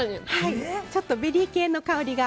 ちょっとベリー系の香りが。